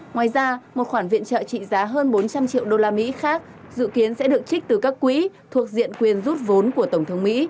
ngoài ra một khoản viện trợ trị giá hơn bốn trăm linh triệu đô la mỹ khác dự kiến sẽ được trích từ các quỹ thuộc diện quyền rút vốn của tổng thống mỹ